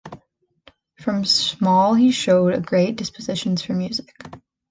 From small he showed great dispositions for music.